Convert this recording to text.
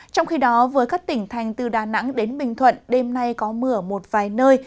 trong khi đó với các tỉnh thành từ đà nẵng đến bình thuận đêm nay có mưa ở một vài nơi